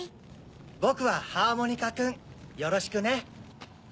ぼくはハーモニカくんよろしくね。